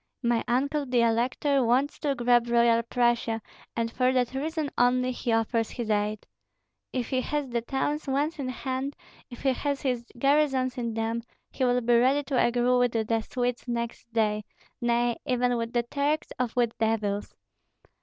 My uncle the elector wants to grab Royal Prussia, and for that reason only, he offers his aid. If he has the towns once in hand, if he has his garrisons in them, he will be ready to agree with the Swedes next day, nay, even with the Turks or with devils.